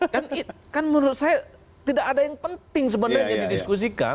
kan menurut saya tidak ada yang penting sebenarnya didiskusikan